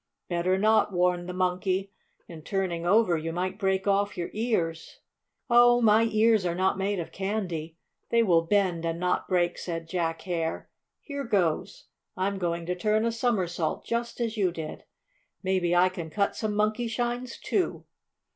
"Better not," warned the Monkey. "In turning over you might break off your ears." "Oh, my ears are not made of candy. They will bend, and not break," said Jack Hare. "Here goes! I'm going to turn a somersault just as you did. Maybe I can cut some Monkeyshines, too!"